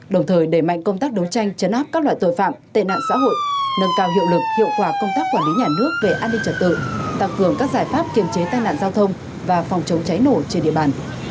đồng thời đẩy mạnh công tác đấu tranh chấn áp các loại tội phạm tệ nạn xã hội nâng cao hiệu lực hiệu quả công tác quản lý nhà nước về an ninh trật tự tăng cường các giải pháp kiềm chế tai nạn giao thông và phòng chống cháy nổ trên địa bàn